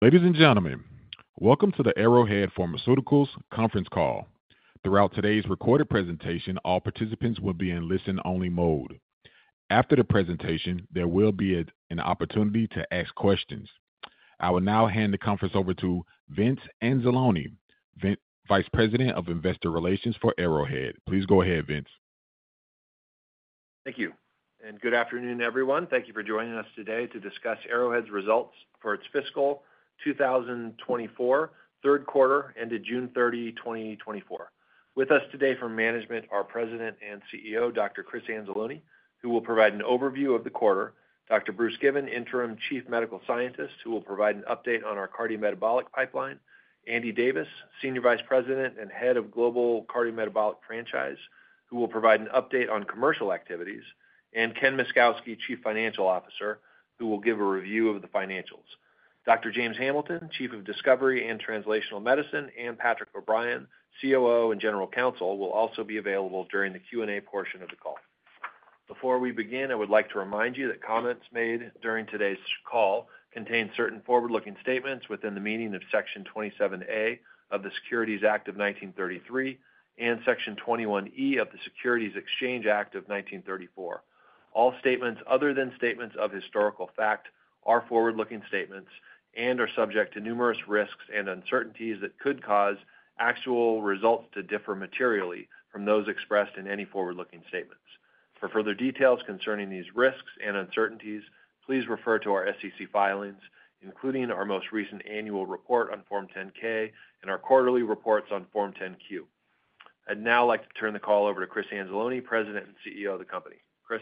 Ladies and gentlemen, welcome to the Arrowhead Pharmaceuticals conference call. Throughout today's recorded presentation, all participants will be in listen-only mode. After the presentation, there will be an opportunity to ask questions. I will now hand the conference over to Vince Anzalone, Vice President of Investor Relations for Arrowhead. Please go ahead, Vince. Thank you, and good afternoon, everyone. Thank you for joining us today to discuss Arrowhead's results for its fiscal 2024 third quarter, ended June 30, 2024. With us today from management, our President and CEO, Dr. Chris Anzalone, who will provide an overview of the quarter, Dr. Bruce Given, Interim Chief Medical Scientist, who will provide an update on our cardiometabolic pipeline, Andy Davis, Senior Vice President and Head of Global Cardiometabolic Franchise, whowill provide an update on commercial activities, and Ken Myszkowski, Chief Financial Officer, who will give a review of the financials. Dr. James Hamilton, Chief of Discovery and Translational Medicine, and Patrick O'Brien, COO and General Counsel, will also be available during the Q&A portion of the call. Before we begin, I would like to remind you that comments made during today's call contain certain forward-looking statements within the meaning of Section 27A of the Securities Act of 1933 and Section 21E of the Securities Exchange Act of 1934. All statements other than statements of historical fact are forward-looking statements and are subject to numerous risks and uncertainties that could cause actual results to differ materially from those expressed in any forward-looking statements. For further details concerning these risks and uncertainties, please refer to our SEC filings, including our most recent annual report on Form 10-K and our quarterly reports on Form 10-Q. I'd now like to turn the call over to Chris Anzalone, President and CEO of the company. Chris?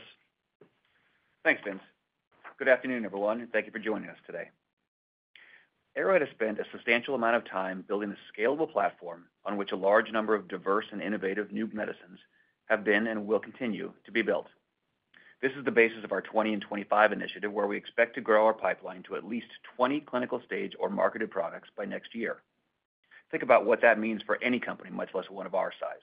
Thanks, Vince. Good afternoon, everyone, and thank you for joining us today. Arrowhead has spent a substantial amount of time building a scalable platform on which a large number of diverse and innovative new medicines have been and will continue to be built. This is the basis of our 20 in 25 initiative, where we expect to grow our pipeline to at least 20 clinical-stage or marketed products by next year. Think about what that means for any company, much less one of our size.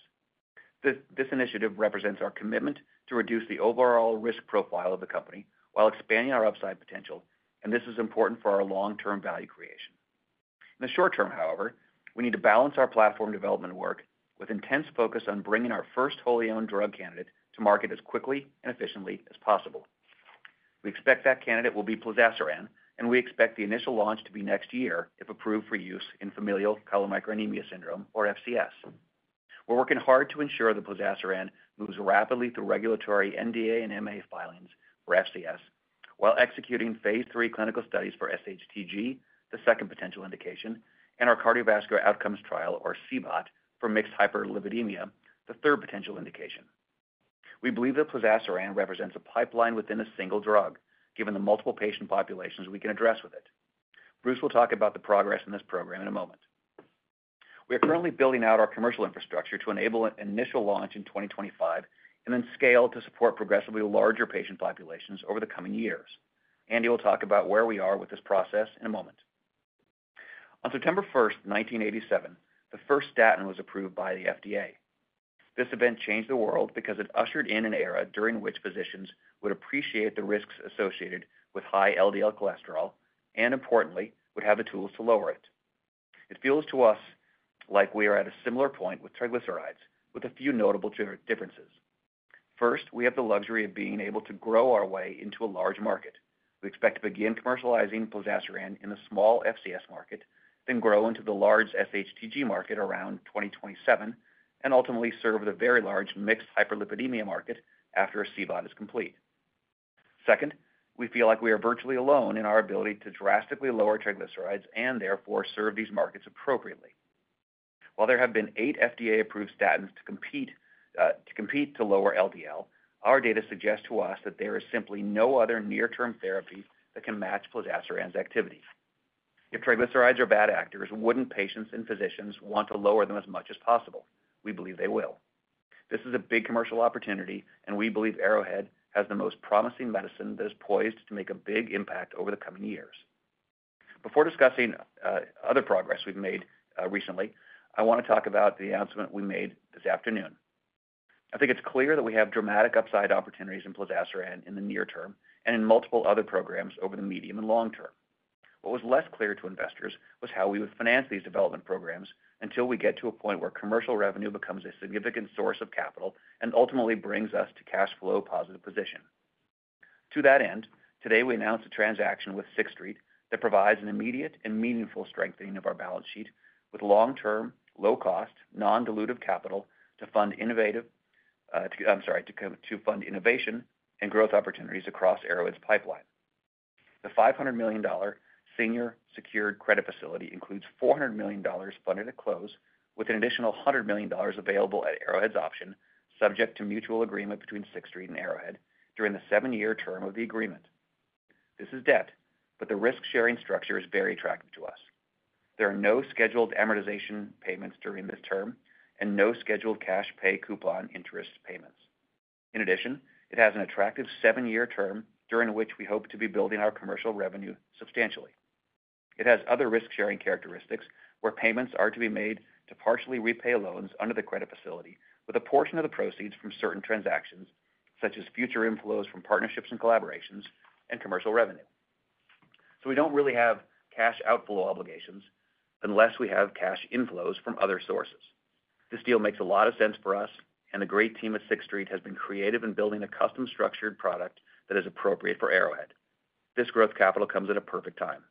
This, this initiative represents our commitment to reduce the overall risk profile of the company while expanding our upside potential, and this is important for our long-term value creation. In the short term, however, we need to balance our platform development work with intense focus on bringing our first wholly owned drug candidate to market as quickly and efficiently as possible. We expect that candidate will be plozasiran, and we expect the initial launch to be next year, if approved for use in familial chylomicronemia syndrome, or FCS. We're working hard to ensure that plozasiran moves rapidly through regulatory NDA and MAA filings for FCS, while executing phase III clinical studies for SHTG, the second potential indication, and our cardiovascular outcomes trial, or CVOT, for mixed hyperlipidemia, the third potential indication. We believe that plozasiran represents a pipeline within a single drug, given the multiple patient populations we can address with it. Bruce will talk about the progress in this program in a moment. We are currently building out our commercial infrastructure to enable an initial launch in 2025 and then scale to support progressively larger patient populations over the coming years. Andy will talk about where we are with this process in a moment. On September 1st, 1987, the first statin was approved by the FDA. This event changed the world because it ushered in an era during which physicians would appreciate the risks associated with high LDL cholesterol, and importantly, would have the tools to lower it. It feels to us like we are at a similar point with triglycerides, with a few notable differences. First, we have the luxury of being able to grow our way into a large market. We expect to begin commercializing plozasiran in a small FCS market, then grow into the large SHTG market around 2027, and ultimately serve the very large mixed hyperlipidemia market after CVOT is complete. Second, we feel like we are virtually alone in our ability to drastically lower triglycerides and therefore serve these markets appropriately. While there have been eight FDA-approved statins to compete, to compete to lower LDL, our data suggests to us that there is simply no other near-term therapy that can match plozasiran's activity. If triglycerides are bad actors, wouldn't patients and physicians want to lower them as much as possible? We believe they will. This is a big commercial opportunity, and we believe Arrowhead has the most promising medicine that is poised to make a big impact over the coming years. Before discussing, other progress we've made, recently, I want to talk about the announcement we made this afternoon. I think it's clear that we have dramatic upside opportunities in plozasiran in the near term and in multiple other programs over the medium and long term. What was less clear to investors was how we would finance these development programs until we get to a point where commercial revenue becomes a significant source of capital and ultimately brings us to cash flow positive position. To that end, today we announced a transaction with Sixth Street that provides an immediate and meaningful strengthening of our balance sheet with long-term, low-cost, non-dilutive capital to fund innovative, to fund innovation and growth opportunities across Arrowhead's pipeline. The $500 million senior secured credit facility includes $400 million funded at close, with an additional $100 million available at Arrowhead's option, subject to mutual agreement between Sixth Street and Arrowhead during the seven-year term of the agreement. This is debt, but the risk-sharing structure is very attractive to us. There are no scheduled amortization payments during this term and no scheduled cash pay coupon interest payments. In addition, it has an attractive seven-year term during which we hope to be building our commercial revenue substantially. It has other risk-sharing characteristics, where payments are to be made to partially repay loans under the credit facility, with a portion of the proceeds from certain transactions such as future inflows from partnerships and collaborations and commercial revenue. So we don't really have cash outflow obligations unless we have cash inflows from other sources. This deal makes a lot of sense for us, and the great team at Sixth Street has been creative in building a custom-structured product that is appropriate for Arrowhead. This growth capital comes at a perfect time.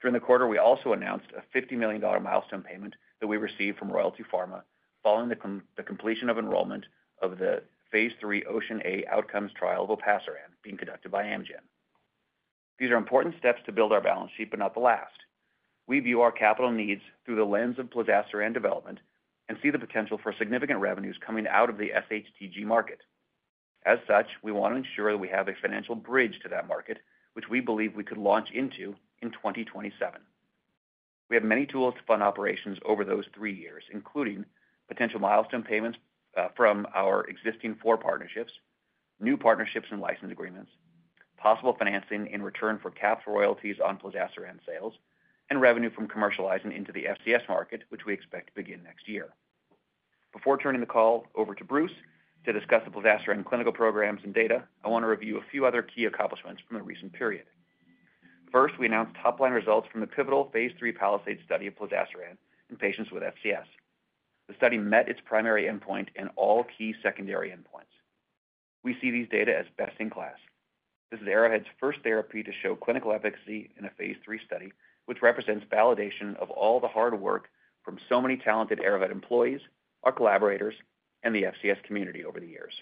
During the quarter, we also announced a $50 million milestone payment that we received from Royalty Pharma following the completion of enrollment of the phase III OCEAN(a) outcomes trial of olpasiran being conducted by Amgen. These are important steps to build our balance sheet, but not the last. We view our capital needs through the lens of plozasiran development and see the potential for significant revenues coming out of the SHTG market. As such, we want to ensure that we have a financial bridge to that market, which we believe we could launch into in 2027. We have many tools to fund operations over those three years, including potential milestone payments from our existing four partnerships, new partnerships and license agreements, possible financing in return for caps, royalties on plozasiran sales, and revenue from commercializing into the FCS market, which we expect to begin next year. Before turning the call over to Bruce to discuss the plozasiran clinical programs and data, I want to review a few other key accomplishments from a recent period. First, we announced top-line results from the pivotal phase III PALISADE study of plozasiran in patients with FCS. The study met its primary endpoint and all key secondary endpoints. We see these data as best-in-class. This is Arrowhead's first therapy to show clinical efficacy in a phase III study, which represents validation of all the hard work from so many talented Arrowhead employees, our collaborators, and the FCS community over the years.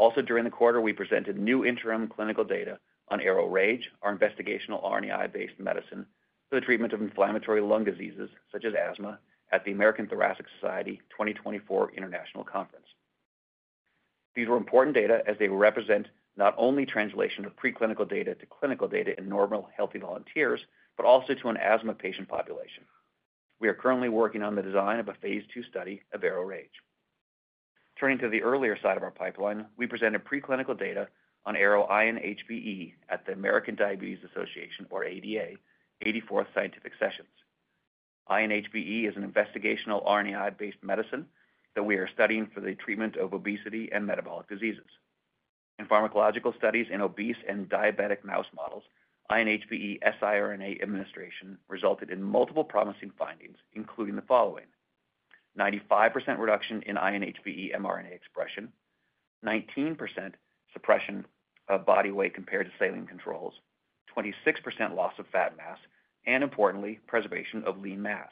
Also, during the quarter, we presented new interim clinical data on ARO-RAGE, our investigational RNAi-based medicine for the treatment of inflammatory lung diseases, such as asthma, at the American Thoracic Society 2024 International Conference. These were important data as they represent not only translation of preclinical data to clinical data in normal, healthy volunteers, but also to an asthma patient population. We are currently working on the design of a phase II study of ARO-RAGE. Turning to the earlier side of our pipeline, we presented preclinical data on ARO-INHBE at the American Diabetes Association, or ADA, 84th Scientific Sessions. INHBE is an investigational RNAi-based medicine that we are studying for the treatment of obesity and metabolic diseases. In pharmacological studies in obese and diabetic mouse models, INHBE siRNA administration resulted in multiple promising findings, including the following: 95% reduction in INHBE mRNA expression, 19% suppression of body weight compared to saline controls, 26% loss of fat mass, and importantly, preservation of lean mass.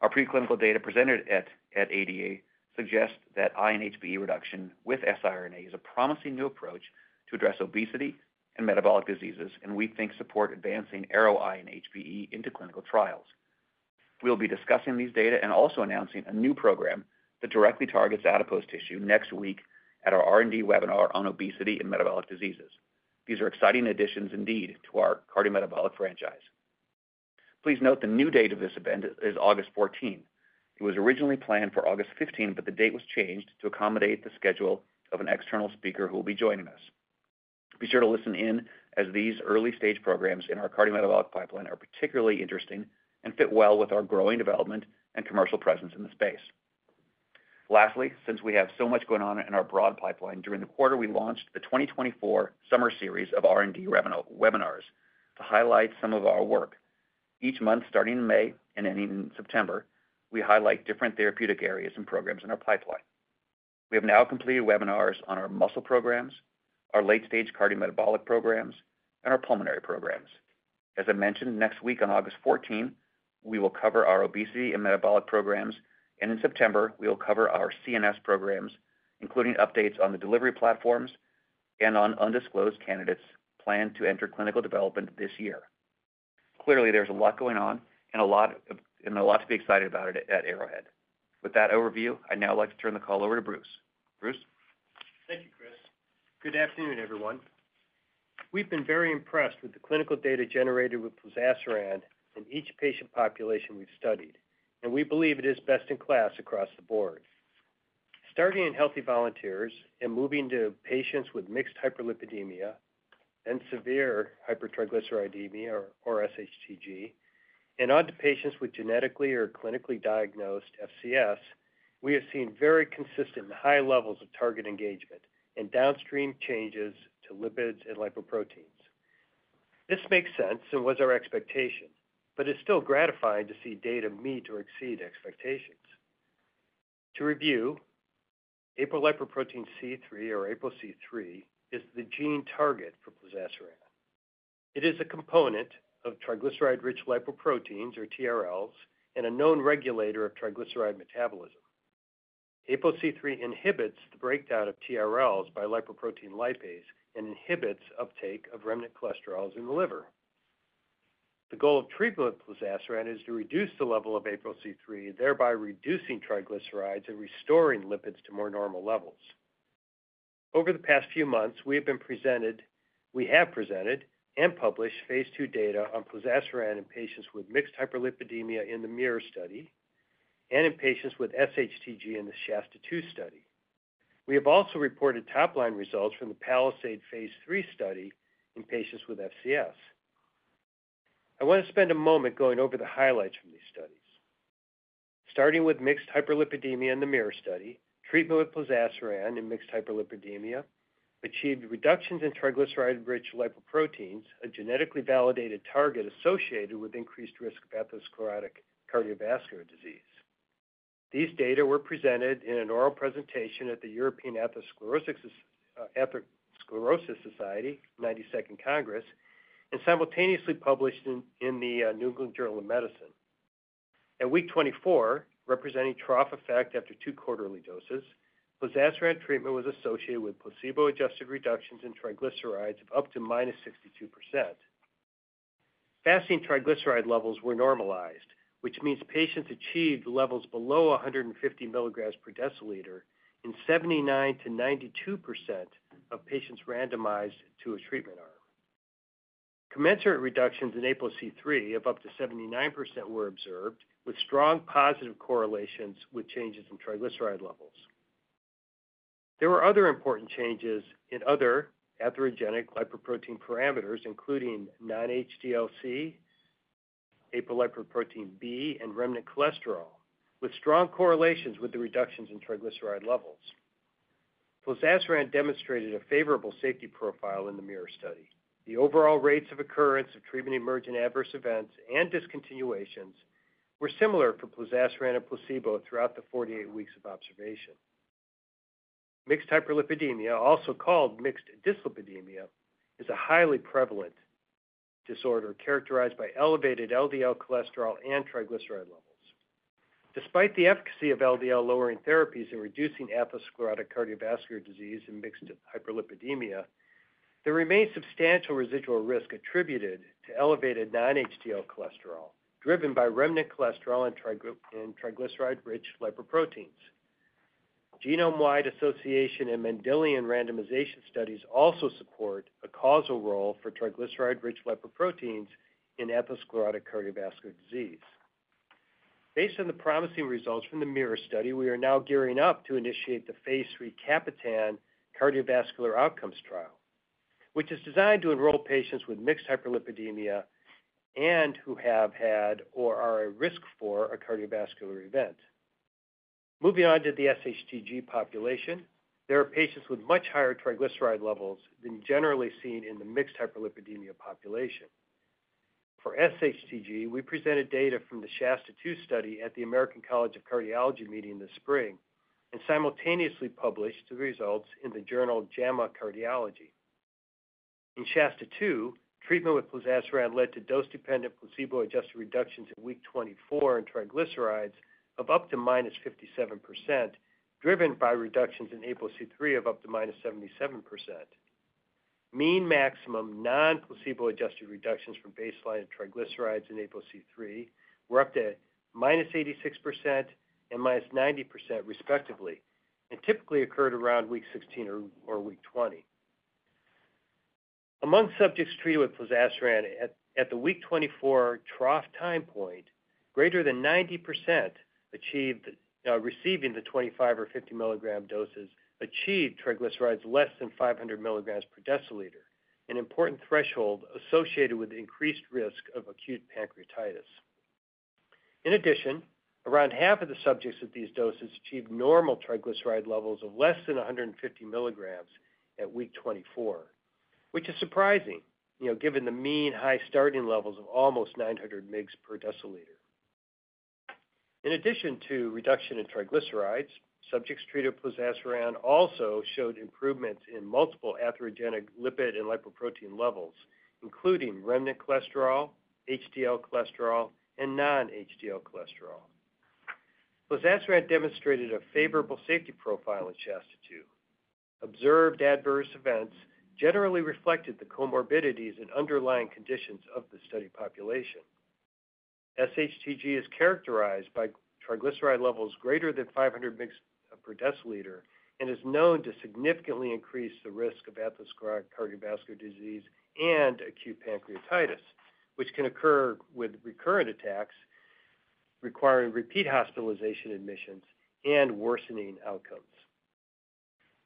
Our preclinical data presented at ADA suggests that INHBE reduction with siRNA is a promising new approach to address obesity and metabolic diseases, and we think support advancing ARO-INHBE into clinical trials. We'll be discussing these data and also announcing a new program that directly targets adipose tissue next week at our R&D webinar on obesity and metabolic diseases. These are exciting additions indeed to our cardiometabolic franchise. Please note the new date of this event is August 14th. It was originally planned for August 15th, but the date was changed to accommodate the schedule of an external speaker who will be joining us. Be sure to listen in as these early-stage programs in our cardiometabolic pipeline are particularly interesting and fit well with our growing development and commercial presence in the space. Lastly, since we have so much going on in our broad pipeline, during the quarter, we launched the 2024 summer series of R&D review webinars to highlight some of our work. Each month, starting in May and ending in September, we highlight different therapeutic areas and programs in our pipeline. We have now completed webinars on our muscle programs, our late-stage cardiometabolic programs, and our pulmonary programs. As I mentioned, next week, on August 14th, we will cover our obesity and metabolic programs, and in September, we will cover our CNS programs, including updates on the delivery platforms and on undisclosed candidates planned to enter clinical development this year. Clearly, there's a lot going on and a lot to be excited about at Arrowhead. With that overview, I'd now like to turn the call over to Bruce. Bruce? Thank you, Chris. Good afternoon, everyone. We've been very impressed with the clinical data generated with plozasiran in each patient population we've studied, and we believe it is best in class across the board. Starting in healthy volunteers and moving to patients with mixed hyperlipidemia and severe hypertriglyceridemia, or SHTG, and on to patients with genetically or clinically diagnosed FCS, we have seen very consistent and high levels of target engagement and downstream changes to lipids and lipoproteins. This makes sense and was our expectation, but it's still gratifying to see data meet or exceed expectations. To review, apolipoprotein C3, or APOC3, is the gene target for plozasiran. It is a component of triglyceride-rich lipoproteins, or TRLs, and a known regulator of triglyceride metabolism. APOC3 inhibits the breakdown of TRLs by lipoprotein lipase and inhibits uptake of remnant cholesterol in the liver. The goal of treatment with plozasiran is to reduce the level of APOC3, thereby reducing triglycerides and restoring lipids to more normal levels. Over the past few months, we have presented and published phase II data on plozasiran in patients with mixed hyperlipidemia in the MUIR study and in patients with SHTG in the SHASTA-2 study. We have also reported top-line results from the PALISADE phase III study in patients with FCS. I want to spend a moment going over the highlights from these studies. Starting with mixed hyperlipidemia in the MUIR study, treatment with plozasiran in mixed hyperlipidemia achieved reductions in triglyceride-rich lipoproteins, a genetically validated target associated with increased risk of atherosclerotic cardiovascular disease. These data were presented in an oral presentation at the European Atherosclerosis Society 92nd Congress, and simultaneously published in the New England Journal of Medicine. At week 24, representing trough effect after two quarterly doses, plozasiran treatment was associated with placebo-adjusted reductions in triglycerides of up to -62%. Fasting triglyceride levels were normalized, which means patients achieved levels below 150 milligrams per deciliter in 79%-92% of patients randomized to a treatment arm. Commensurate reductions in ApoC3 of up to 79% were observed, with strong positive correlations with changes in triglyceride levels. There were other important changes in other atherogenic lipoprotein parameters, including non-HDL-C, apolipoprotein B, and remnant cholesterol, with strong correlations with the reductions in triglyceride levels. Plozasiran demonstrated a favorable safety profile in the MUIR study. The overall rates of occurrence of treatment-emergent adverse events and discontinuations were similar for plozasiran and placebo throughout the 48 weeks of observation. Mixed hyperlipidemia, also called mixed dyslipidemia, is a highly prevalent disorder characterized by elevated LDL cholesterol and triglyceride levels. Despite the efficacy of LDL-lowering therapies in reducing atherosclerotic cardiovascular disease in mixed hyperlipidemia, there remains substantial residual risk attributed to elevated non-HDL cholesterol, driven by remnant cholesterol and triglyceride- and triglyceride-rich lipoproteins. Genome-wide association and Mendelian randomization studies also support a causal role for triglyceride-rich lipoproteins in atherosclerotic cardiovascular disease. Based on the promising results from the MUIR study, we are now gearing up to initiate the phase III CAPITAN cardiovascular outcomes trial, which is designed to enroll patients with mixed hyperlipidemia and who have had or are at risk for a cardiovascular event. Moving on to the SHTG population, there are patients with much higher triglyceride levels than generally seen in the mixed hyperlipidemia population. For SHTG, we presented data from the SHASTA-2 study at the American College of Cardiology meeting this spring and simultaneously published the results in the journal JAMA Cardiology. In SHASTA-2, treatment with plozasiran led to dose-dependent placebo-adjusted reductions at week 24 in triglycerides of up to -57%, driven by reductions in ApoC3 of up to -77%. Mean maximum non-placebo adjusted reductions from baseline in triglycerides and ApoC3 were up to -86% and -90%, respectively, and typically occurred around week 16 or week 20. Among subjects treated with plozasiran at the week 24 trough time point, greater than 90% achieved, receiving the 25 or 50 milligram doses, achieved triglycerides less than 500 milligrams per deciliter, an important threshold associated with increased risk of acute pancreatitis. In addition, around half of the subjects at these doses achieved normal triglyceride levels of less than 150 milligrams at week 24, which is surprising, you know, given the mean high starting levels of almost 900 mg/dL. In addition to reduction in triglycerides, subjects treated with plozasiran also showed improvements in multiple atherogenic lipid and lipoprotein levels, including remnant cholesterol, HDL cholesterol, and non-HDL cholesterol. Plozasiran demonstrated a favorable safety profile in SHASTA-2. Observed adverse events generally reflected the comorbidities and underlying conditions of the study population. SHTG is characterized by triglyceride levels greater than 500 mg/dL and is known to significantly increase the risk of atherosclerotic cardiovascular disease and acute pancreatitis, which can occur with recurrent attacks, requiring repeat hospitalization admissions and worsening outcomes.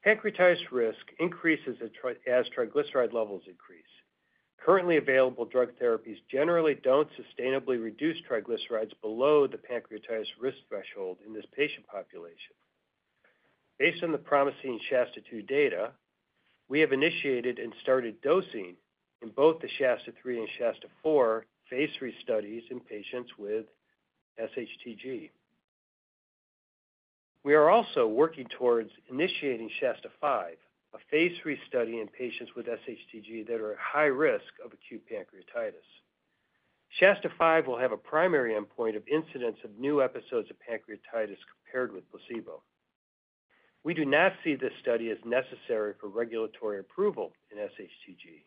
Pancreatitis risk increases as triglyceride levels increase. Currently available drug therapies generally don't sustainably reduce triglycerides below the pancreatitis risk threshold in this patient population. Based on the promising SHASTA-2 data, we have initiated and started dosing in both the SHASTA-3 and SHASTA-4 phase III studies in patients with SHTG. We are also working towards initiating SHASTA-5, a phase III study in patients with SHTG that are at high risk of acute pancreatitis. SHASTA-5 will have a primary endpoint of incidence of new episodes of pancreatitis compared with placebo. We do not see this study as necessary for regulatory approval in SHTG,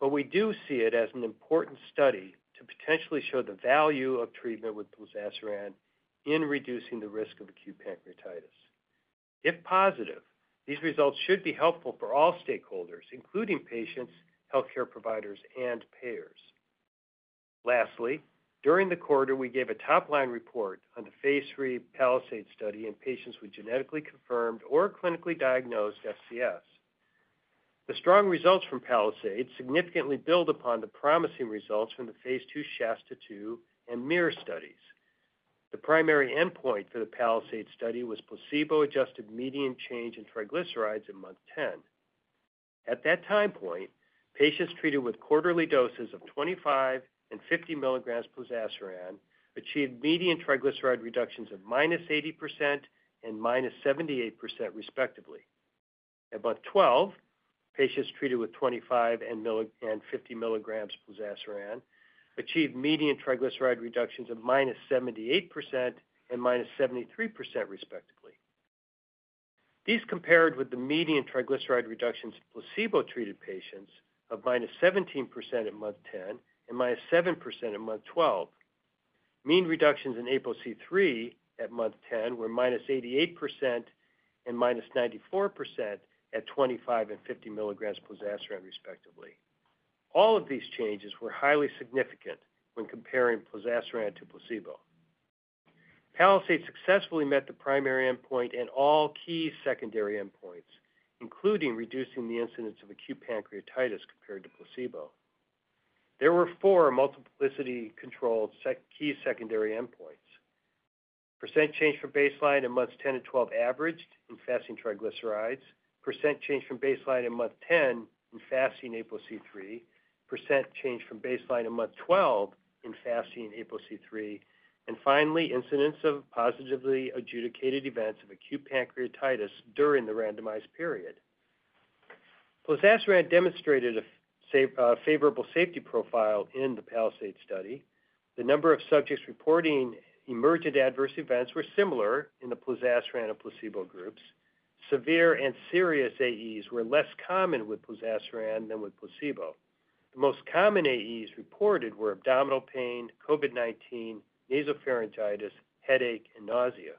but we do see it as an important study to potentially show the value of treatment with plozasiran in reducing the risk of acute pancreatitis. If positive, these results should be helpful for all stakeholders, including patients, healthcare providers, and payers. Lastly, during the quarter, we gave a top-line report on the phase III PALISADE study in patients with genetically confirmed or clinically diagnosed FCS. The strong results from PALISADE significantly build upon the promising results from the phase II SHASTA-2 and MUIR studies. The primary endpoint for the PALISADE study was placebo-adjusted median change in triglycerides in month 10. At that time point, patients treated with quarterly doses of 25 and 50 milligrams plozasiran achieved median triglyceride reductions of -80% and -78%, respectively. At month 12, patients treated with 25 and 50 milligrams plozasiran achieved median triglyceride reductions of -78% and -73%, respectively. These compared with the median triglyceride reductions in placebo-treated patients of -17% at month 10 and -7% at month 12. Mean reductions in APOC3 at month 10 were -88% and -94% at 25 mg and 50 mg plozasiran, respectively. All of these changes were highly significant when comparing plozasiran to placebo. PALISADE successfully met the primary endpoint and all key secondary endpoints, including reducing the incidence of acute pancreatitis compared to placebo. There were four multiplicity-controlled key secondary endpoints. Percent change from baseline in months 10 to 12 averaged in fasting triglycerides, percent change from baseline in month 10 in fasting APOC3, percent change from baseline in month 12 in fasting APOC3, and finally, incidence of positively adjudicated events of acute pancreatitis during the randomized period. Plozasiran demonstrated a safe, favorable safety profile in the PALISADE study. The number of subjects reporting emergent adverse events were similar in the plozasiran and placebo groups. Severe and serious AEs were less common with plozasiran than with placebo. The most common AEs reported were abdominal pain, COVID-19, nasopharyngitis, headache, and nausea.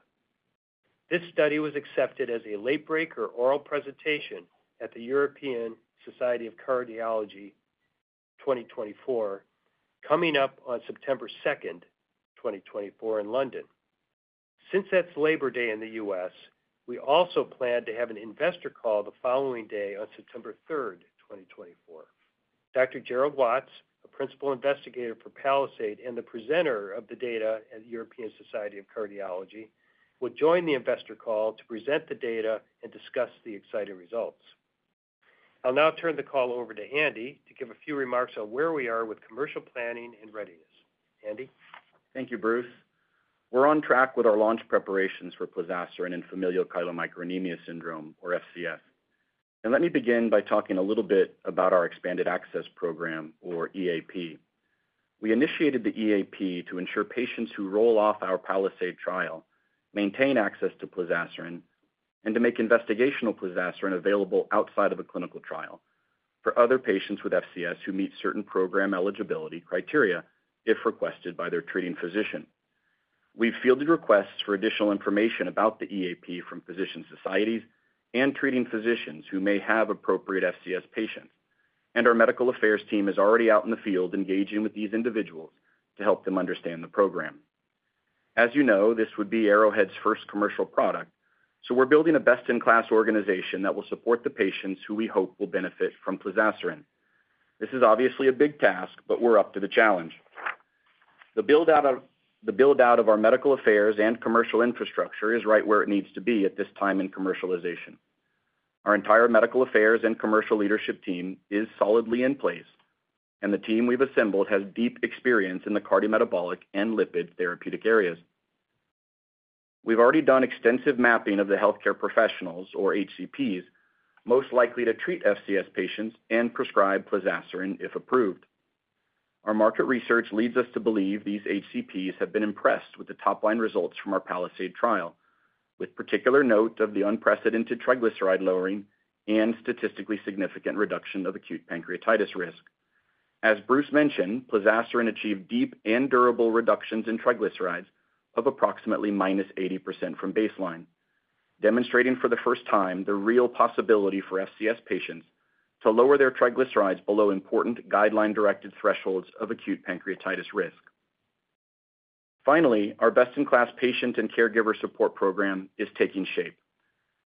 This study was accepted as a late-breaker oral presentation at the European Society of Cardiology 2024, coming up on September 2nd, 2024, in London. Since that's Labor Day in the U.S., we also plan to have an investor call the following day on September third, 2024. Dr. Gerald Watts, a principal investigator for PALISADE and the presenter of the data at the European Society of Cardiology, will join the investor call to present the data and discuss the exciting results. I'll now turn the call over to Andy to give a few remarks on where we are with commercial planning and readiness. Andy? Thank you, Bruce. We're on track with our launch preparations for plozasiran in familial chylomicronemia syndrome, or FCS. Let me begin by talking a little bit about our expanded access program, or EAP. We initiated the EAP to ensure patients who roll off our PALISADE trial maintain access to plozasiran, and to make investigational plozasiran available outside of a clinical trial for other patients with FCS who meet certain program eligibility criteria, if requested by their treating physician. We've fielded requests for additional information about the EAP from physician societies and treating physicians who may have appropriate FCS patients, and our medical affairs team is already out in the field engaging with these individuals to help them understand the program. As you know, this would be Arrowhead's first commercial product, so we're building a best-in-class organization that will support the patients who we hope will benefit from plozasiran. This is obviously a big task, but we're up to the challenge. The build out of our medical affairs and commercial infrastructure is right where it needs to be at this time in commercialization. Our entire medical affairs and commercial leadership team is solidly in place, and the team we've assembled has deep experience in the cardiometabolic and lipid therapeutic areas. We've already done extensive mapping of the healthcare professionals, or HCPs, most likely to treat FCS patients and prescribe plozasiran, if approved. Our market research leads us to believe these HCPs have been impressed with the top-line results from our PALISADE trial, with particular note of the unprecedented triglyceride lowering and statistically significant reduction of acute pancreatitis risk. As Bruce mentioned, plozasiran achieved deep and durable reductions in triglycerides of approximately -80% from baseline, demonstrating for the first time the real possibility for FCS patients to lower their triglycerides below important guideline-directed thresholds of acute pancreatitis risk. Finally, our best-in-class patient and caregiver support program is taking shape.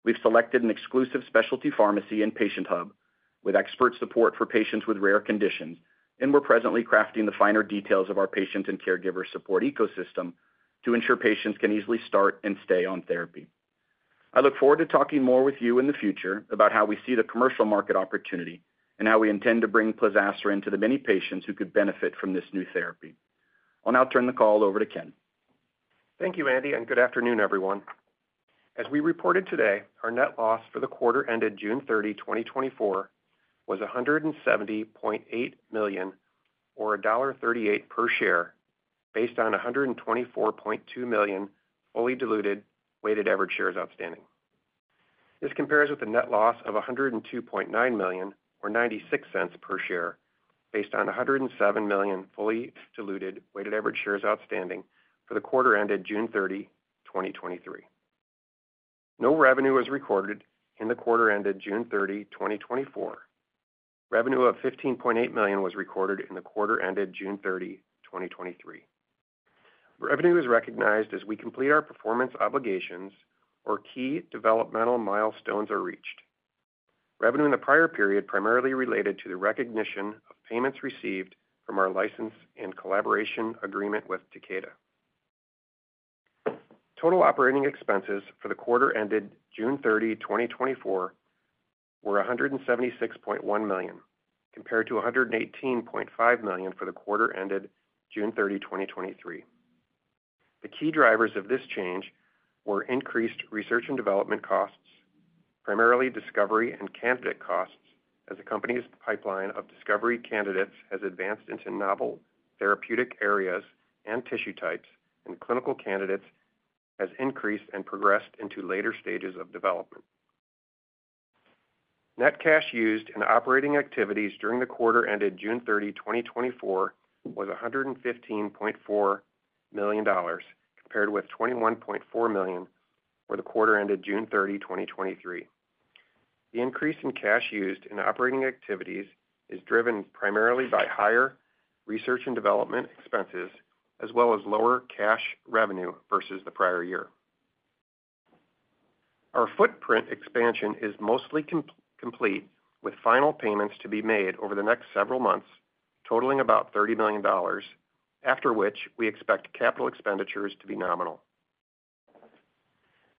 We've selected an exclusive specialty pharmacy and patient hub with expert support for patients with rare conditions, and we're presently crafting the finer details of our patient and caregiver support ecosystem to ensure patients can easily start and stay on therapy. I look forward to talking more with you in the future about how we see the commercial market opportunity, and how we intend to bring plozasiran to the many patients who could benefit from this new therapy. I'll now turn the call over to Ken. Thank you, Andy, and good afternoon, everyone. As we reported today, our net loss for the quarter ended June 30, 2024, was $170.8 million, or $1.38 per share, based on 124.2 million fully diluted weighted average shares outstanding. This compares with a net loss of $102.9 million, or $0.96 per share, based on 107 million fully diluted weighted average shares outstanding for the quarter ended June 30, 2023. No revenue was recorded in the quarter ended June 30, 2024. Revenue of $15.8 million was recorded in the quarter ended June 30, 2023. Revenue is recognized as we complete our performance obligations or key developmental milestones are reached. Revenue in the prior period primarily related to the recognition of payments received from our license and collaboration agreement with Takeda. Total operating expenses for the quarter ended June 30, 2024, were $176.1 million, compared to $118.5 million for the quarter ended June 30, 2023. The key drivers of this change were increased research and development costs, primarily discovery and candidate costs, as the company's pipeline of discovery candidates has advanced into novel therapeutic areas and tissue types, and clinical candidates has increased and progressed into later stages of development. Net cash used in operating activities during the quarter ended June 30, 2024, was $115.4 million, compared with $21.4 million for the quarter ended June 30, 2023. The increase in cash used in operating activities is driven primarily by higher research and development expenses, as well as lower cash revenue versus the prior year. Our footprint expansion is mostly comp-complete, with final payments to be made over the next several months, totaling about $30 million, after which we expect capital expenditures to be nominal.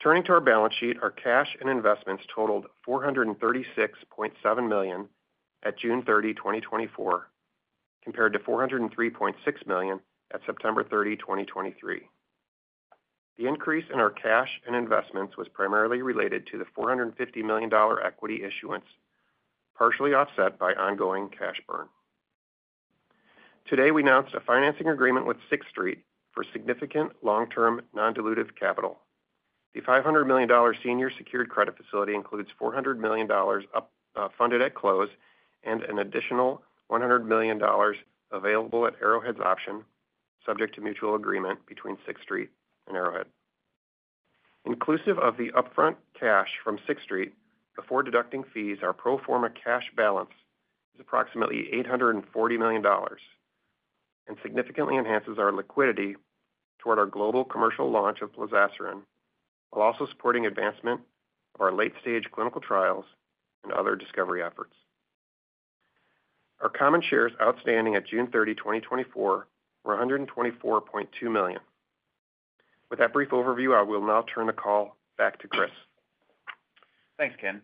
Turning to our balance sheet, our cash and investments totaled $436.7 million at June 30, 2024, compared to $403.6 million at September 30, 2023. The increase in our cash and investments was primarily related to the $450 million equity issuance, partially offset by ongoing cash burn. Today, we announced a financing agreement with Sixth Street for significant long-term non-dilutive capital. The $500 million senior secured credit facility includes $400 million upfront funded at close and an additional $100 million available at Arrowhead's option, subject to mutual agreement between Sixth Street and Arrowhead. Inclusive of the upfront cash from Sixth Street, before deducting fees, our pro forma cash balance is approximately $840 million and significantly enhances our liquidity toward our global commercial launch of plozasiran, while also supporting advancement of our late-stage clinical trials and other discovery efforts. Our common shares outstanding at June 30, 2024, were 124.2 million. With that brief overview, I will now turn the call back to Chris. Thanks, Ken.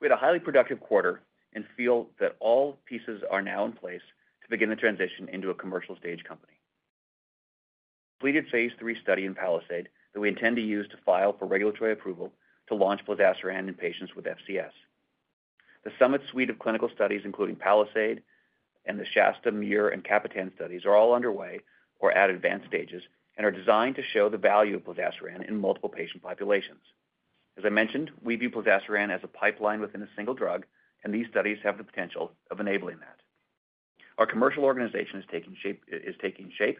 We had a highly productive quarter and feel that all pieces are now in place to begin the transition into a commercial stage company. We did phase III study in PALISADE that we intend to use to file for regulatory approval to launch plozasiran in patients with FCS. The SUMMIT suite of clinical studies, including PALISADE and the SHASTA, MUIR, and CAPITAN studies, are all underway or at advanced stages, and are designed to show the value of plozasiran in multiple patient populations. As I mentioned, we view plozasiran as a pipeline within a single drug, and these studies have the potential of enabling that. Our commercial organization is taking shape, is taking shape,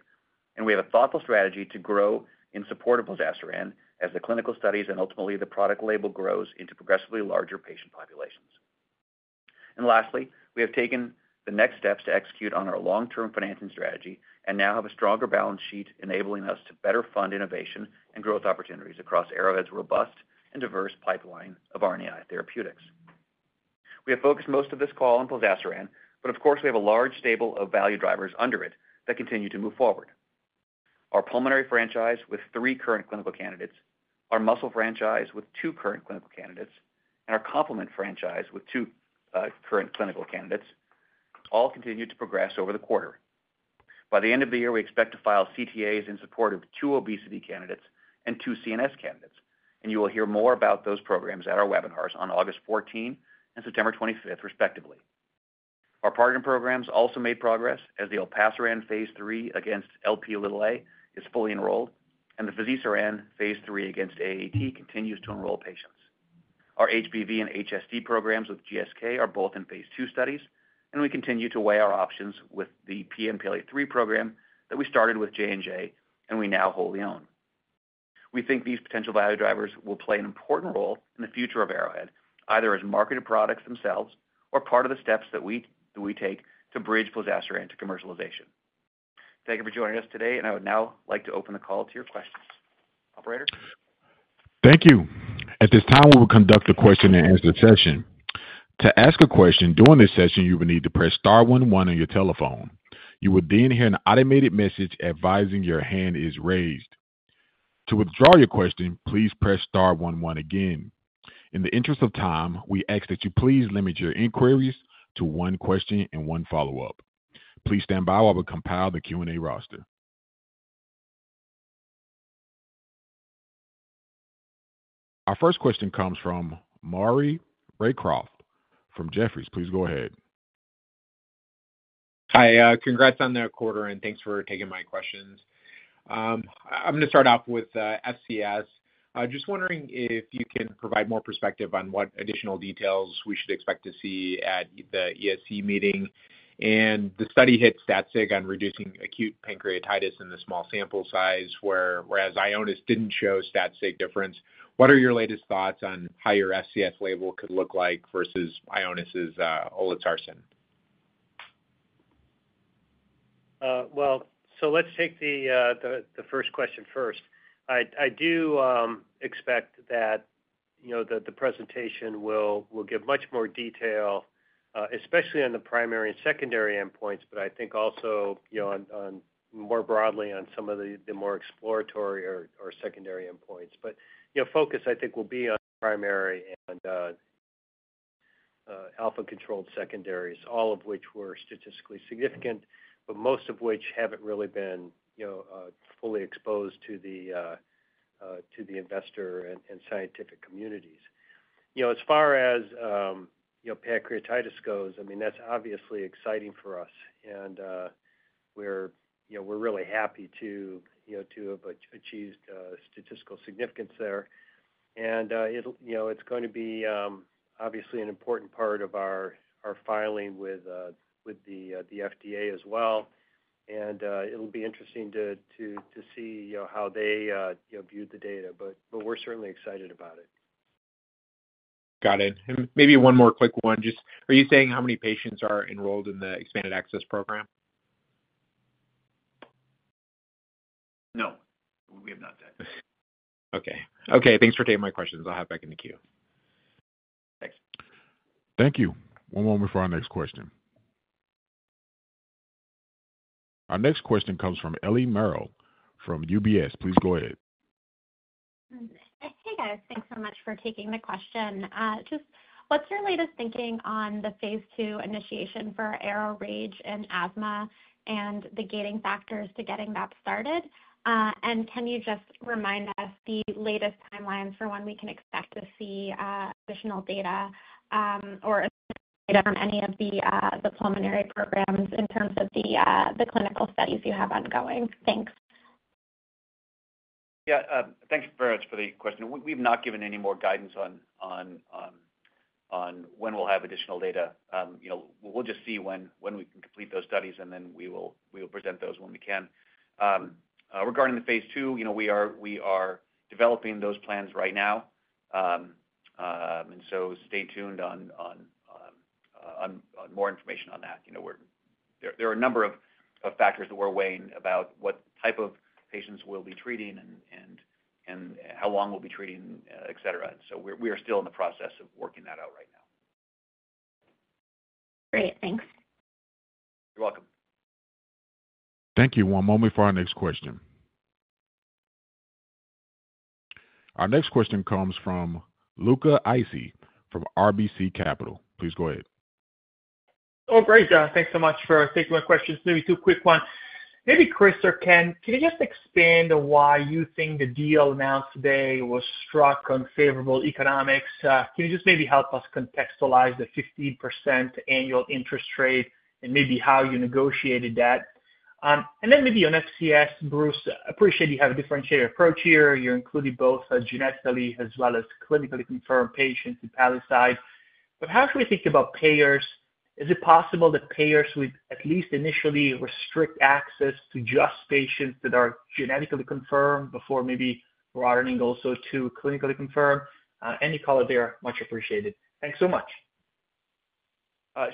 and we have a thoughtful strategy to grow in support of plozasiran as the clinical studies and ultimately the product label grows into progressively larger patient populations. Lastly, we have taken the next steps to execute on our long-term financing strategy and now have a stronger balance sheet, enabling us to better fund innovation and growth opportunities across Arrowhead's robust and diverse pipeline of RNAi therapeutics. We have focused most of this call on plozasiran, but of course, we have a large stable of value drivers under it that continue to move forward. Our pulmonary franchise with three current clinical candidates, our muscle franchise with two current clinical candidates, and our complement franchise with two current clinical candidates, all continued to progress over the quarter. By the end of the year, we expect to file CTAs in support of two obesity candidates and two CNS candidates, and you will hear more about those programs at our webinars on August 14th and September 25th, respectively. Our partner programs also made progress as the olpasiran phase III against Lp(a) is fully enrolled, and the fazirsiran phase III against AAT continues to enroll patients. Our HBV and HSD programs with GSK are both in phase II studies, and we continue to weigh our options with the PNPLA3 program that we started with J&J, and we now wholly own. We think these potential value drivers will play an important role in the future of Arrowhead, either as marketed products themselves or part of the steps that we, we take to bridge plozasiran to commercialization. Thank you for joining us today, and I would now like to open the call to your questions. Operator? Thank you. At this time, we will conduct a question-and-answer session. To ask a question during this session, you will need to press star one one on your telephone. You will then hear an automated message advising your hand is raised. To withdraw your question, please press star one one again. In the interest of time, we ask that you please limit your inquiries to one question and one follow-up. Please stand by while we compile the Q&A roster. Our first question comes from Maury Raycroft from Jefferies. Please go ahead. Hi, congrats on the quarter, and thanks for taking my questions. I'm gonna start off with FCS. Just wondering if you can provide more perspective on what additional details we should expect to see at the ESC meeting. The study hit stat sig on reducing acute pancreatitis in the small sample size, whereas Ionis didn't show stat sig difference. What are your latest thoughts on how your FCS label could look like versus Ionis' olezarsen? Well, so let's take the first question first. I do expect that, you know, that the presentation will give much more detail, especially on the primary and secondary endpoints, but I think also, you know, on more broadly on some of the more exploratory or secondary endpoints. But, you know, focus, I think, will be on primary and alpha-controlled secondaries, all of which were statistically significant, but most of which haven't really been, you know, fully exposed to the investor and scientific communities. You know, as far as, you know, pancreatitis goes, I mean, that's obviously exciting for us. And, we're, you know, we're really happy to, you know, to have achieved statistical significance there. And, it'll you know, it's going to be obviously an important part of our filing with the FDA as well. And, it'll be interesting to see you know, how they you know, view the data. But, we're certainly excited about it. Got it. Maybe one more quick one. Just, are you saying how many patients are enrolled in the expanded access program? No, we have not said. Okay. Okay, thanks for taking my questions. I'll hop back in the queue. Thanks. Thank you. One moment for our next question. Our next question comes from Ellie Merle from UBS. Please go ahead. Hey, guys, thanks so much for taking the question. Just what's your latest thinking on the phase II initiation for ARO-RAGE and asthma and the gating factors to getting that started? And can you just remind us the latest timeline for when we can expect to see additional data or from any of the pulmonary programs in terms of the clinical studies you have ongoing? Thanks. Yeah, thank you very much for the question. We've not given any more guidance on when we'll have additional data. You know, we'll just see when we can complete those studies, and then we will present those when we can. Regarding the phase II, you know, we are developing those plans right now. And so stay tuned on more information on that. You know, there are a number of factors that we're weighing about what type of patients we'll be treating and how long we'll be treating, et cetera. So we are still in the process of working that out right now. Great. Thanks. You're welcome. Thank you. One moment for our next question. Our next question comes from Luca Issi from RBC Capital. Please go ahead. Oh, great, thanks so much for taking my questions. Maybe two quick ones. Maybe Chris or Ken, can you just expand on why you think the deal announced today was struck on favorable economics? Can you just maybe help us contextualize the 15% annual interest rate and maybe how you negotiated that? And then maybe on FCS, Bruce, appreciate you have a differentiated approach here. You're including both genetically as well as clinically confirmed patients in PALISADE. But how should we think about payers? Is it possible that payers would at least initially restrict access to just patients that are genetically confirmed before maybe broadening also to clinically confirmed? Any color there, much appreciated. Thanks so much.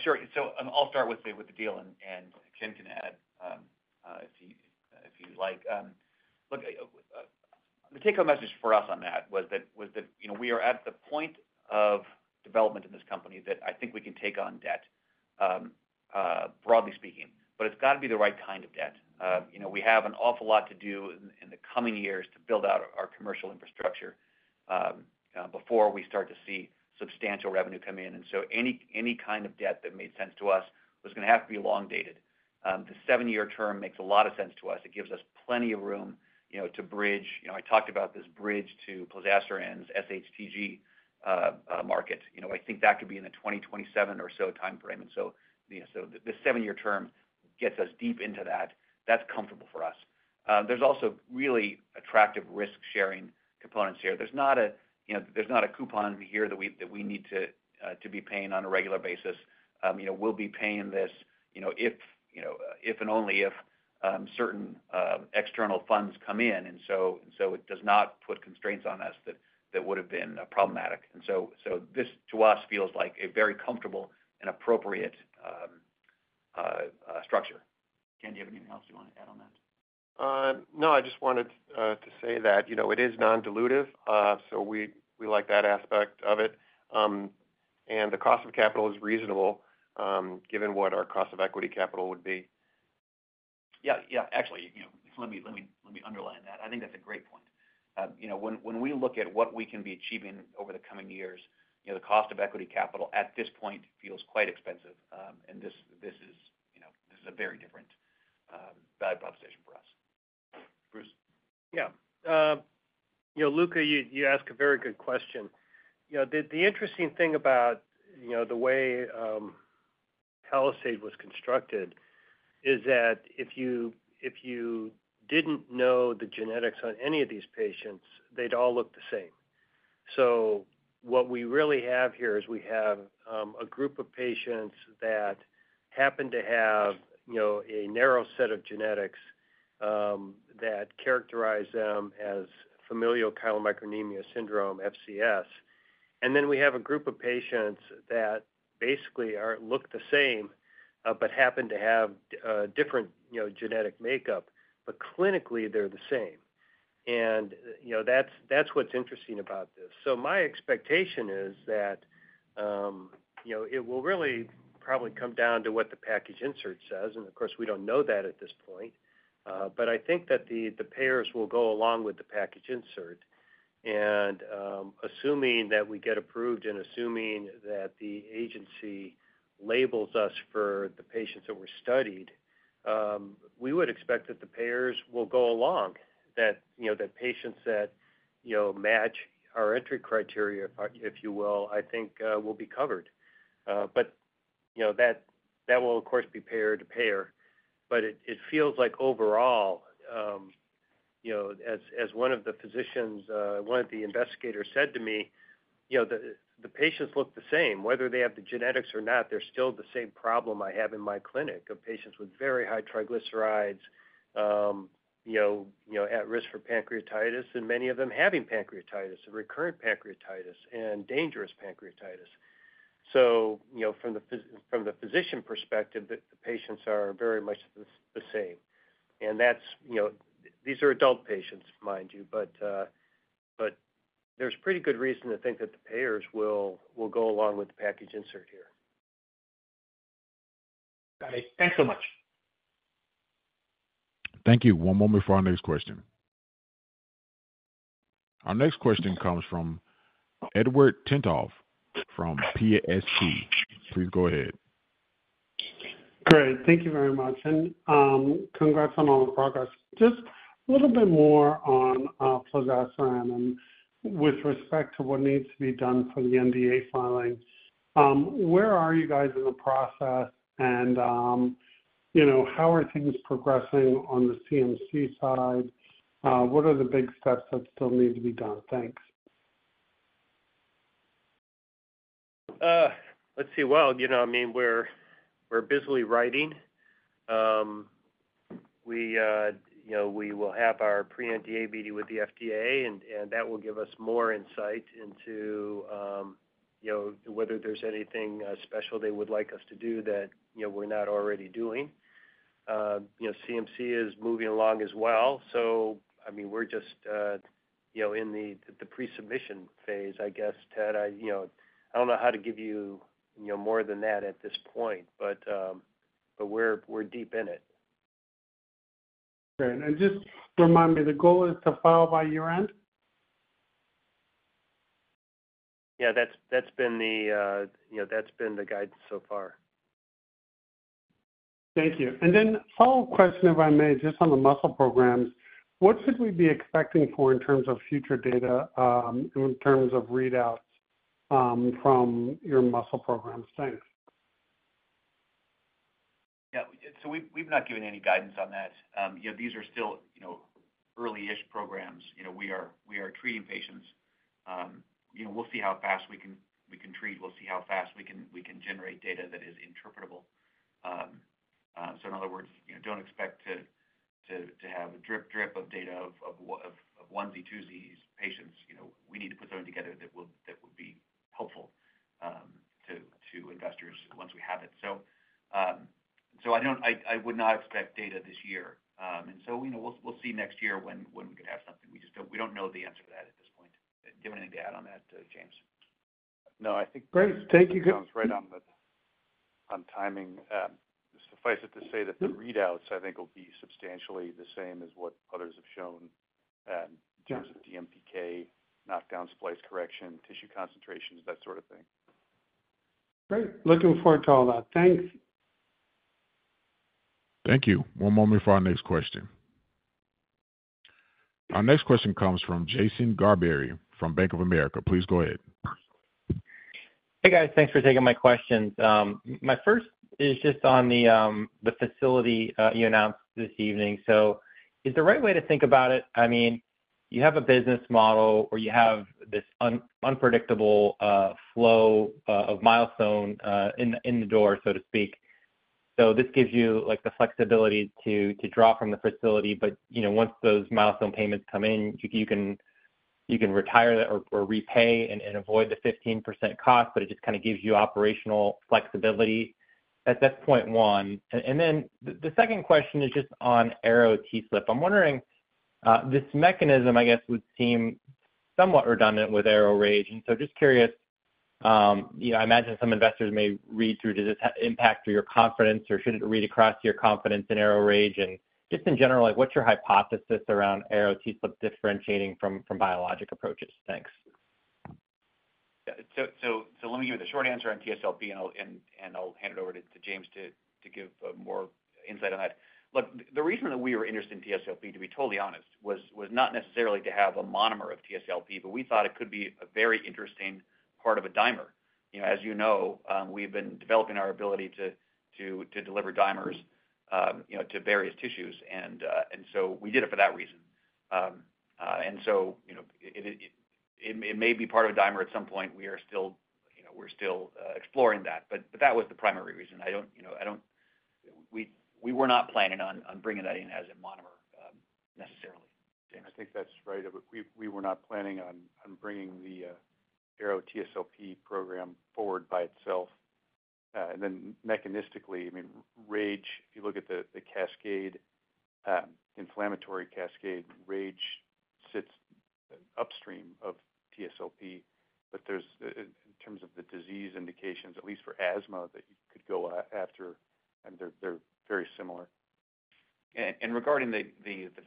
Sure. So, I'll start with the deal, and Ken can add if he'd like. Look, the take-home message for us on that was that, you know, we are at the point of development in this company that I think we can take on debt, broadly speaking, but it's got to be the right kind of debt. You know, we have an awful lot to do in the coming years to build out our commercial infrastructure before we start to see substantial revenue come in. And so any kind of debt that made sense to us was gonna have to be long dated. The seven-year term makes a lot of sense to us. It gives us plenty of room, you know, to bridge. You know, I talked about this bridge to plozasiran and SHTG market. You know, I think that could be in the 2027 or so timeframe. And so, you know, so the seven-year term gets us deep into that. That's comfortable for us. There's also really attractive risk-sharing components here. There's not a, you know, there's not a coupon here that we, that we need to, to be paying on a regular basis. You know, we'll be paying this, you know, if, you know, if and only if, certain, external funds come in, and so, so it does not put constraints on us that, that would have been, problematic. And so, so this, to us, feels like a very comfortable and appropriate, structure. Ken, do you have anything else you want to add on that? No, I just wanted to say that, you know, it is non-dilutive, so we, we like that aspect of it. And the cost of capital is reasonable, given what our cost of equity capital would be. Yeah, yeah, actually, you know, let me underline that. I think that's a great point. You know, when we look at what we can be achieving over the coming years, you know, the cost of equity capital at this point feels quite expensive, and this is, you know, this is a very different value proposition for us. Bruce? Yeah. You know, Luca, you ask a very good question. You know, the interesting thing about, you know, the way PALISADE was constructed is that if you didn't know the genetics on any of these patients, they'd all look the same. So what we really have here is we have a group of patients that happen to have, you know, a narrow set of genetics that characterize them as familial chylomicronemia syndrome, FCS. And then we have a group of patients that basically are look the same, but happen to have different, you know, genetic makeup, but clinically they're the same. And, you know, that's what's interesting about this. So my expectation is that, you know, it will really probably come down to what the package insert says, and of course, we don't know that at this point. But I think that the payers will go along with the package insert. And assuming that we get approved and assuming that the agency labels us for the patients that were studied, we would expect that the payers will go along, that you know that patients that you know match our entry criteria, if you will, I think will be covered. But you know that that will, of course, be payer to payer. But it feels like overall, you know, as one of the physicians, one of the investigators said to me, "You know, the patients look the same. Whether they have the genetics or not, they're still the same problem I have in my clinic, of patients with very high triglycerides, you know, at risk for pancreatitis, and many of them having pancreatitis, or recurrent pancreatitis, and dangerous pancreatitis." So, you know, from the physician perspective, the patients are very much the same. And that's, you know, these are adult patients, mind you. But, but there's pretty good reason to think that the payers will, will go along with the package insert here. Got it. Thanks so much. Thank you. One moment for our next question. Our next question comes from Edward Tenthoff from Piper Sandler. Please go ahead. Great. Thank you very much, and congrats on all the progress. Just a little bit more on plozasiran and with respect to what needs to be done for the NDA filing. Where are you guys in the process? And you know, how are things progressing on the CMC side? What are the big steps that still need to be done? Thanks. Let's see. Well, you know, I mean, we're busily writing. We, you know, we will have our pre-NDA meeting with the FDA, and that will give us more insight into, you know, whether there's anything special they would like us to do that, you know, we're not already doing. You know, CMC is moving along as well. So, I mean, we're just, you know, in the pre-submission phase, I guess, Ted. I, you know... I don't know how to give you, you know, more than that at this point, but we're deep in it. Great. And just remind me, the goal is to file by year-end? Yeah, that's, that's been the, you know, that's been the guidance so far. Thank you. And then a follow-up question, if I may, just on the muscle programs. What should we be expecting for in terms of future data, in terms of readouts, from your muscle programs? Thanks. Yeah, so we've not given any guidance on that. You know, these are still, you know, early-ish programs. You know, we are treating patients. You know, we'll see how fast we can treat. We'll see how fast we can generate data that is interpretable. So in other words, you know, don't expect to have a drip, drip of data of onesie, twosies patients. You know, we need to put something together that will be helpful to investors once we have it. So I would not expect data this year. And so, you know, we'll see next year when we could have something. We just don't know the answer to that at this point. Do you have anything to add on that, James? No, I think- Great, thank you. That's right on timing. Suffice it to say that the readouts, I think, will be substantially the same as what others have shown, in terms of DMPK, knockdown, splice correction, tissue concentrations, that sort of thing. Great. Looking forward to all that. Thanks. Thank you. One moment for our next question. Our next question comes from Jason Gerberry from Bank of America. Please go ahead. Hey, guys. Thanks for taking my questions. My first is just on the facility you announced this evening. So is the right way to think about it. I mean, you have a business model, or you have this unpredictable flow of milestone in the door, so to speak. So this gives you, like, the flexibility to draw from the facility, but, you know, once those milestone payments come in, you can retire or repay and avoid the 15% cost, but it just kind of gives you operational flexibility. That's point one. And then the second question is just on ARO-TSLP. I'm wondering, this mechanism, I guess, would seem somewhat redundant with ARO-RAGE. So just curious, you know, I imagine some investors may read through, does this have impact to your confidence, or should it read across to your confidence in ARO-RAGE? And just in general, like, what's your hypothesis around ARO-TSLP differentiating from biologic approaches? Thanks. Yeah. So let me give you the short answer on TSLP, and I'll hand it over to James to give more insight on that. Look, the reason that we were interested in TSLP, to be totally honest, was not necessarily to have a monomer of TSLP, but we thought it could be a very interesting part of a dimer. You know, as you know, we've been developing our ability to deliver dimers, you know, to various tissues, and so we did it for that reason. And so, you know, it may be part of a dimer at some point. We are still, you know, we're still exploring that, but that was the primary reason. I don't, you know, we were not planning on bringing that in as a monomer. James, I think that's right. But we were not planning on bringing the ARO-TSLP program forward by itself. And then mechanistically, I mean, RAGE, if you look at the cascade, inflammatory cascade, RAGE sits upstream of TSLP. But there's in terms of the disease indications, at least for asthma, that you could go after, and they're very similar. Regarding the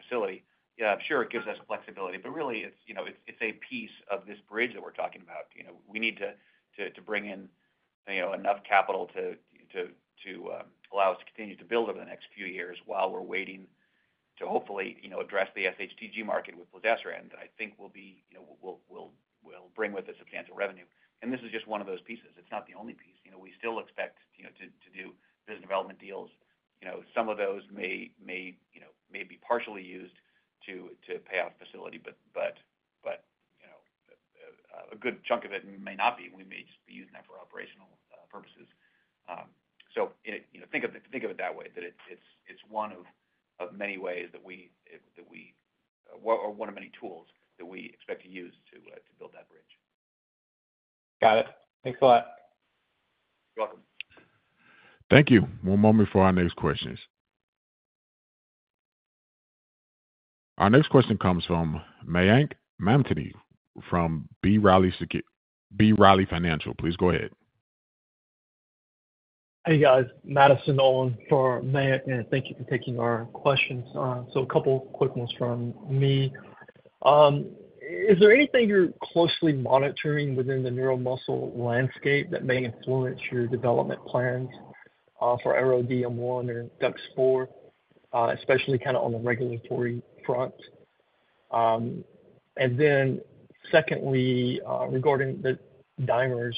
facility, yeah, sure, it gives us flexibility, but really, it's, you know, it's a piece of this bridge that we're talking about, you know. We need to bring in, you know, enough capital to allow us to continue to build over the next few years while we're waiting to hopefully, you know, address the SHTG market with plozasiran, and I think we'll be, you know, we'll bring with us substantial revenue. And this is just one of those pieces. It's not the only piece. You know, we still expect, you know, to do business development deals. You know, some of those may, you know, may be partially used to pay off the facility, but, you know, a good chunk of it may not be, and we may just be using that for operational purposes. So, you know, think of it that way, that it's one of many ways that we... Or one of many tools that we expect to use to build that bridge. Got it. Thanks a lot. You're welcome. Thank you. One moment before our next questions. Our next question comes from Mayank Mamtani, from B. Riley Securities. Please go ahead. Hey, guys, Madison Nolan for Mayank, and thank you for taking our questions. So a couple quick ones from me. Is there anything you're closely monitoring within the neuromuscular landscape that may influence your development plans for ARO-DM1 or DUX4, especially kinda on the regulatory front? And then secondly, regarding the dimers,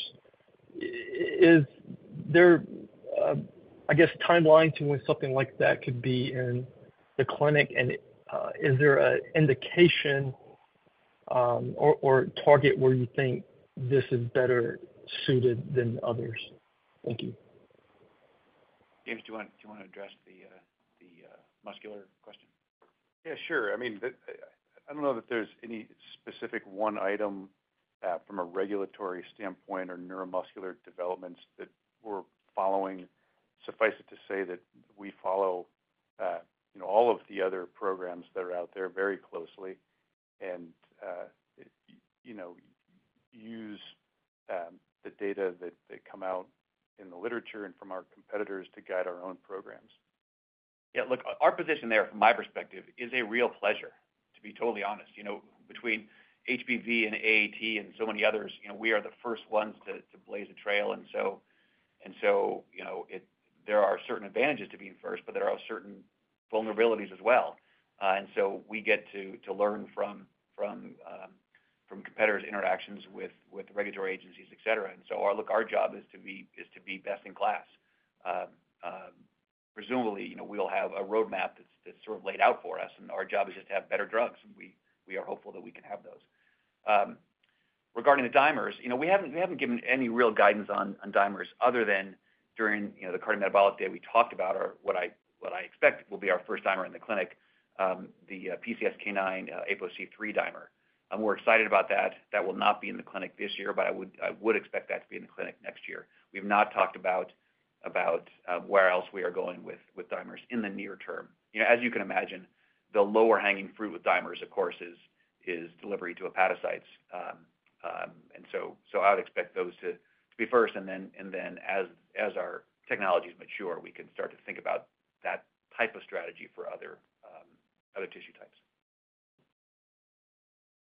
is there, I guess, timeline to when something like that could be in the clinic? And, is there an indication or target where you think this is better suited than others? Thank you. James, do you want, do you want to address the muscular question? Yeah, sure. I mean, the, I don't know that there's any specific one item from a regulatory standpoint or neuromuscular developments that we're following. Suffice it to say that we follow, you know, all of the other programs that are out there very closely and, you know, use the data that come out in the literature and from our competitors to guide our own programs. Yeah, look, our position there, from my perspective, is a real pleasure, to be totally honest. You know, between HBV and AAT and so many others, you know, we are the first ones to blaze a trail, and so, you know, there are certain advantages to being first, but there are certain vulnerabilities as well. And so we get to learn from competitors' interactions with regulatory agencies, et cetera. Look, our job is to be best in class. Presumably, you know, we'll have a roadmap that's sort of laid out for us, and our job is just to have better drugs, and we are hopeful that we can have those. Regarding the dimers, you know, we haven't given any real guidance on dimers other than during, you know, the cardiometabolic day we talked about, or what I expect will be our first dimer in the clinic, the PCSK9 APOC3 dimer. And we're excited about that. That will not be in the clinic this year, but I would expect that to be in the clinic next year. We've not talked about where else we are going with dimers in the near term. You know, as you can imagine, the lower-hanging fruit with dimers, of course, is delivery to hepatocytes. And so I would expect those to be first, and then as our technologies mature, we can start to think about that type of strategy for other tissue types.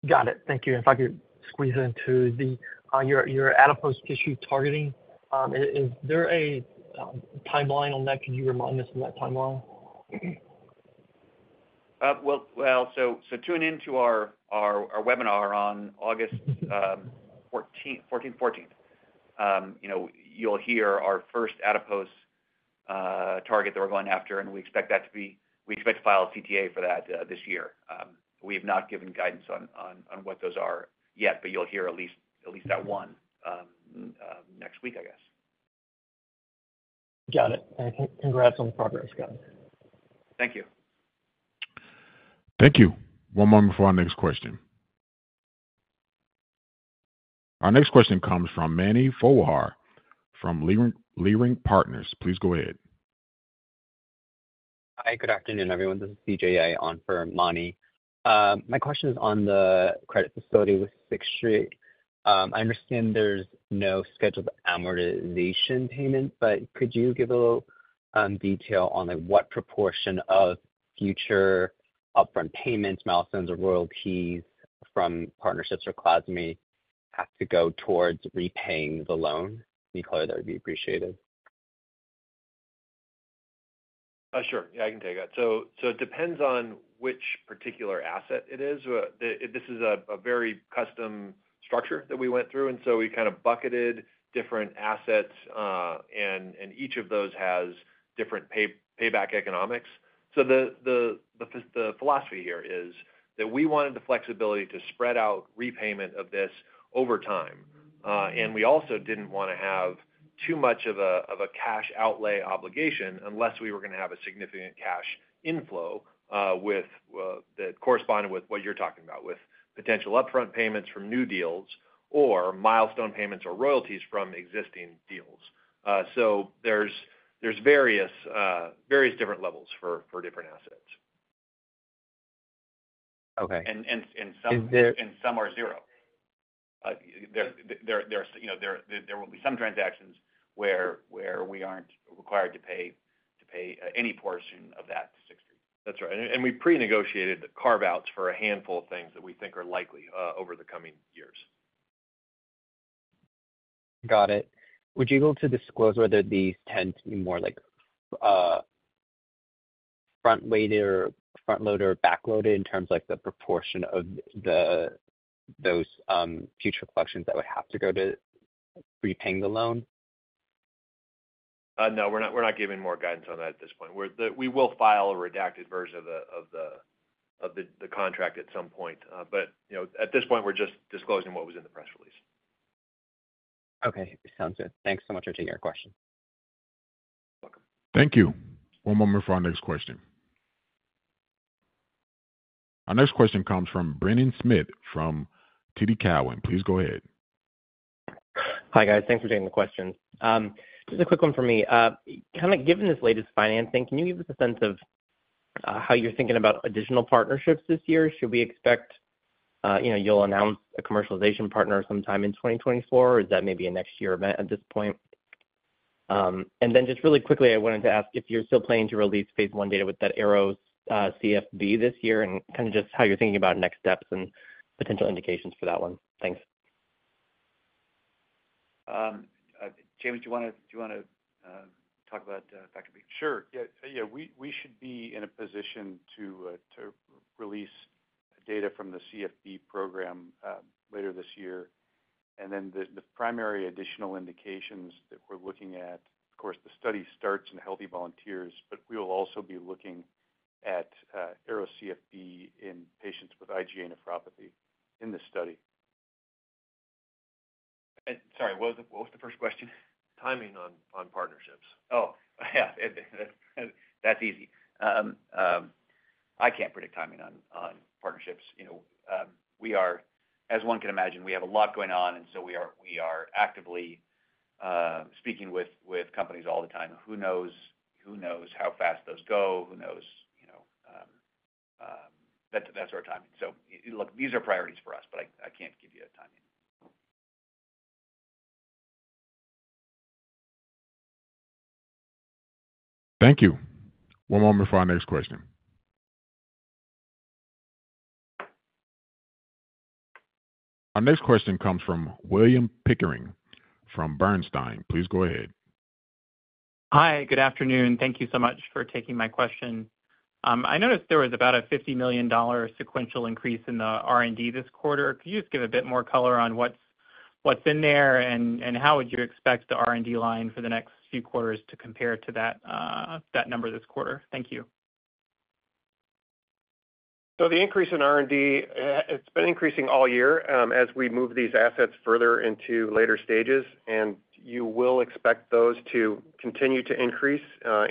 Got it. Thank you. And if I could squeeze into your adipose tissue targeting, is there a timeline on that? Could you remind us of that timeline? Well, so tune in to our webinar on August 14th. You know, you'll hear our first adipose target that we're going after, and we expect to file a CTA for that this year. We have not given guidance on what those are yet, but you'll hear at least that one next week, I guess. Got it. Thank you. Congrats on the progress, guys. Thank you. Thank you. One moment before our next question. Our next question comes from Mani Foroohar from Leerink Partners. Please go ahead. Hi, good afternoon, everyone. This is CJA on for Mani. My question is on the credit facility with Sixth Street. I understand there's no scheduled amortization payment, but could you give a little detail on, like, what proportion of future upfront payments, milestones, or royalties from partnerships or Ionis have to go towards repaying the loan? Any color there would be appreciated. Sure. Yeah, I can take that. So, it depends on which particular asset it is. This is a very custom structure that we went through, and so we kind of bucketed different assets, and each of those has different payback economics. So the philosophy here is that we wanted the flexibility to spread out repayment of this over time. And we also didn't want to have too much of a cash outlay obligation unless we were going to have a significant cash inflow with that corresponded with what you're talking about, with potential upfront payments from new deals or milestone payments or royalties from existing deals. So there's various different levels for different assets. Okay. And some- Is there- Some are zero. There are, you know, there will be some transactions where we aren't required to pay any portion of that. That's right. And we prenegotiated the carve-outs for a handful of things that we think are likely over the coming years. Got it. Would you be able to disclose whether these tend to be more like, front-weighted or front-loaded or backloaded in terms of, like, the proportion of the, those, future collections that would have to go to repaying the loan? No, we're not giving more guidance on that at this point. We will file a redacted version of the contract at some point. But, you know, at this point, we're just disclosing what was in the press release. Okay, sounds good. Thanks so much for taking our question. Welcome. Thank you. One moment for our next question. Our next question comes from Brendan Smith from TD Cowen. Please go ahead. Hi, guys. Thanks for taking the question. Just a quick one for me. Kind of given this latest financing, can you give us a sense of, how you're thinking about additional partnerships this year? Should we expect, you know, you'll announce a commercialization partner sometime in 2024, or is that maybe a next year event at this point? And then just really quickly, I wanted to ask if you're still planning to release phase I data with that ARO-CFB this year, and kind of just how you're thinking about next steps and potential indications for that one. Thanks. James, do you wanna talk about factor B? Sure. Yeah. Yeah, we should be in a position to release data from the ARO-CFB program later this year. And then the primary additional indications that we're looking at, of course, the study starts in healthy volunteers, but we will also be looking at ARO-CFB in patients with IgA nephropathy in this study. Sorry, what was the, what was the first question? Timing on partnerships. Oh, yeah, that's easy. I can't predict timing on partnerships. You know, we are, as one can imagine, we have a lot going on, and so we are actively speaking with companies all the time. Who knows? Who knows how fast those go? Who knows, you know, that's our timing. So look, these are priorities for us, but I can't give you a timing. Thank you. One moment for our next question. Our next question comes from William Pickering from Bernstein. Please go ahead. Hi, good afternoon. Thank you so much for taking my question. I noticed there was about a $50 million sequential increase in the R&D this quarter. Could you just give a bit more color on what's, what's in there, and, and how would you expect the R&D line for the next few quarters to compare to that, that number this quarter? Thank you. So the increase in R&D, it's been increasing all year, as we move these assets further into later stages, and you will expect those to continue to increase,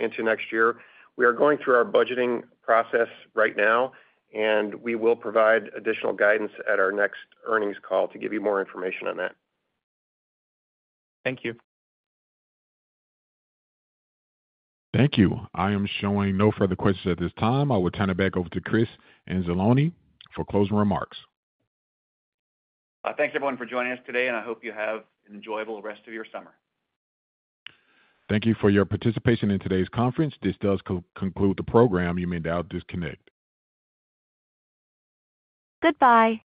into next year. We are going through our budgeting process right now, and we will provide additional guidance at our next earnings call to give you more information on that. Thank you. Thank you. I am showing no further questions at this time. I will turn it back over to Chris Anzalone for closing remarks. Thanks, everyone, for joining us today, and I hope you have an enjoyable rest of your summer. Thank you for your participation in today's conference. This does conclude the program. You may now disconnect. Goodbye.